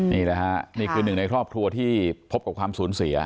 นี่แหละฮะนี่คือหนึ่งในครอบครัวที่พบกับความสูญเสีย